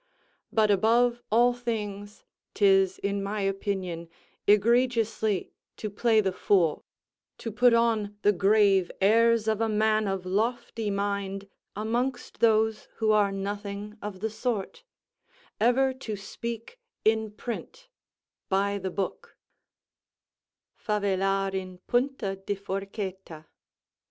But, above all things, 'tis in my opinion egregiously to play the fool, to put on the grave airs of a man of lofty mind amongst those who are nothing of the sort: ever to speak in print (by the book), "Favellare in puma di forchetta."